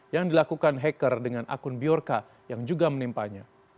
yang dilakukan hacker dengan akun biorca yang juga menimpanya